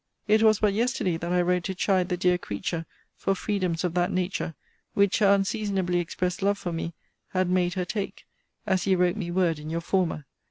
It was but yesterday that I wrote to chide the dear creature for freedoms of that nature, which her unseasonably expressed love for me had made her take, as you wrote me word in your former.